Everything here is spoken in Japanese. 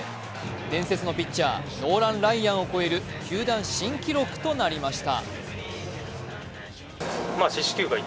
伝説のピッチャー、ノーラン・ライアンを超える球団新記録となりました。